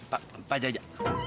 pak pak jaja